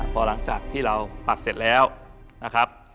พอหลังจากที่เราปัดเสร็จแล้วนะครับ